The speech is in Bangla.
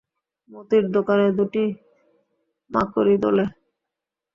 মতির দুকানে দুটি মাকড়ি দোলে।